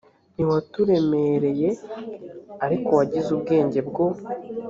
ntiwaturemereye ariko wagize ubwenge bwo